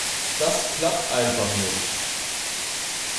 Das klappt einfach nicht!